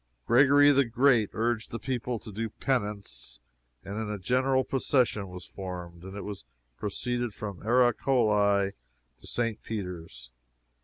Gregory the Great urged the people to do penance, and a general procession was formed. It was to proceed from Ara Coeli to St. Peter's.